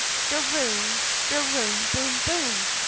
de room ! de room ! boom! boom